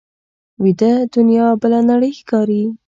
ویده دنیا بله نړۍ ښکاري